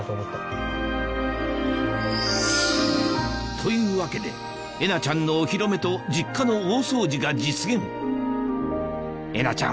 というわけでえなちゃんのお披露目と実家の大掃除が実現えなちゃん